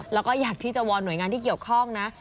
แล้วก็อยากที่จะวอนหน่วยงานที่เกี่ยวข้องนะ